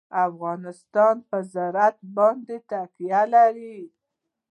افغانستان په زراعت باندې تکیه لري.